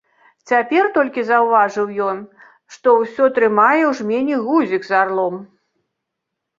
Цяпер толькі заўважыў ён, што ўсё трымае ў жмені гузік з арлом.